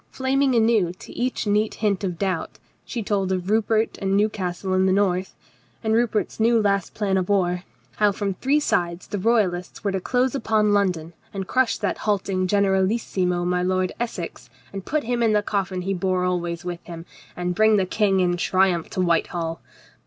Flaming anew to each neat hint of doubt, she told of Rupert and Newcastle in the north, and Rupert's new last plan of war: how from three sides the Royalists were to close upon London and crush that halting generalissimo my Lord Essex and put him in the coffin he bore always with him, and bring the King in triumph to Whitehall.